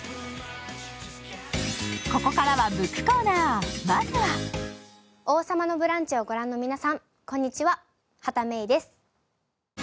ここからはブックコーナー、まずは「王様のブランチ」をご覧の皆さん、こんにちは、畑芽育です。